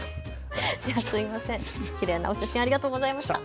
きれいなお写真、ありがとうございました。